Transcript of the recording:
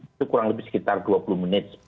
itu kurang lebih sekitar dua puluh menit